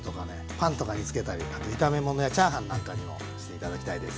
パンとかにつけたりあと炒め物やチャーハンなんかにもして頂きたいです。